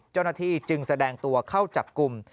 เจ้าหน้าที่จึงแสดงตัวเข้าจับกลุ่ม